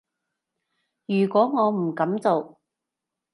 如果我唔噉做